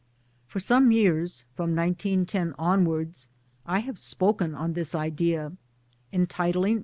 For some years, from 1910 onwards I have spoken on this idea entitling!